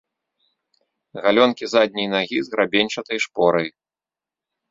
Галёнкі задняй нагі з грабеньчатай шпорай.